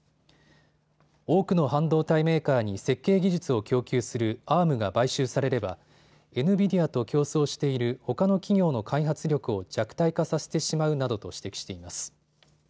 多くの半導体メーカーに設計技術を供給するＡｒｍが買収されればエヌビディアと競争しているほかの企業の開発力を弱体化させてしまうなどと指摘しています。